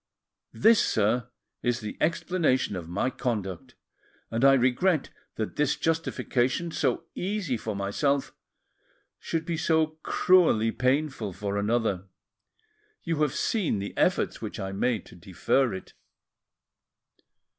This, sir, is the explanation of my conduct, and I regret that this justification, so easy for myself, should be so cruelly painful for another. You have seen the efforts which I made to defer it."